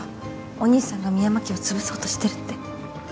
お兄さんが深山家をつぶそうとしてるって。